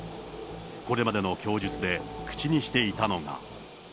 これまでの供述で口にしていたのが。